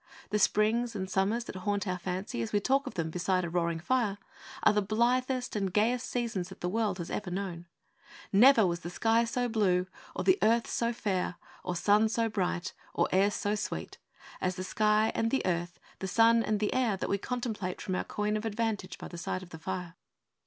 The springs and summers that haunt our fancy as we talk of them beside a roaring fire are the blithest and gayest seasons that the world has ever known. Never was sky so blue, or earth so fair, or sun so bright, or air so sweet as the sky and the earth, the sun and the air, that we contemplate from our coign of vantage by the side of the fire.